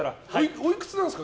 おいくつなんですか？